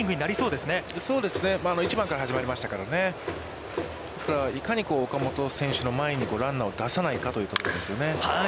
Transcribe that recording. ですから、いかに岡本選手の前にランナーを出さないかというところですよね。